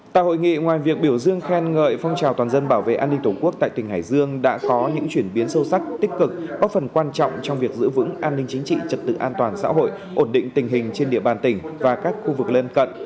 tại hội nghị ngoài việc biểu dương khen ngợi phong trào toàn dân bảo vệ an ninh tổ quốc tại tỉnh hải dương đã có những chuyển biến sâu sắc tích cực góp phần quan trọng trong việc giữ vững an ninh chính trị trật tự an toàn xã hội ổn định tình hình trên địa bàn tỉnh và các khu vực lân cận